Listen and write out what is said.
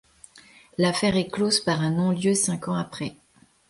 L'affaire est close par un non-lieu cinq ans après.